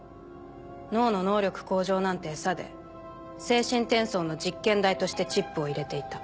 脳の能力向上なんて餌で精神転送の実験台としてチップを入れていた。